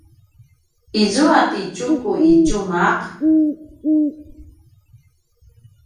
izua ti Tjuku i tjumaq?